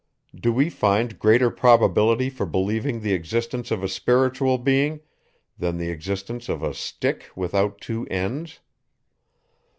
Do we find greater probability for believing the existence of a spiritual being, than the existence of a stick without two ends?